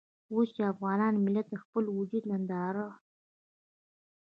اوس چې افغان ملت د خپل وجود ننداره.